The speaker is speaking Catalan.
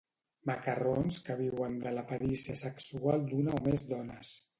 Macarrons que viuen de la perícia sexual d'una o més dones.